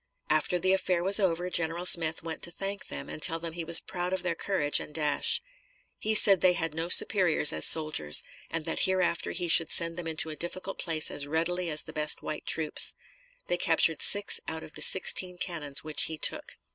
After the affair was over, General Smith went to thank them, and tell them he was proud of their courage and dash. He said they had no superiors as soldiers, and that hereafter he should send them into a difficult place as readily as the best white troops. They captured six out of the sixteen cannons which he took.